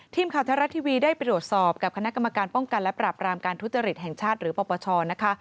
ทีมข่าวไทยรัฐทีวีได้ไปตรวจสอบกับคณะกรรมการป้องกันและปราบรามการทุจริตแห่งชาติหรือปปชนะคะ